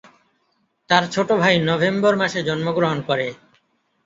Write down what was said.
তার ছোট ভাই নভেম্বর মাসে জন্মগ্রহণ করে।